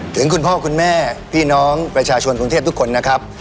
คุณพ่อคุณแม่พี่น้องประชาชนกรุงเทพทุกคนนะครับ